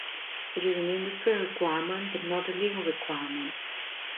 It is an industry requirement, but not a legal requirement.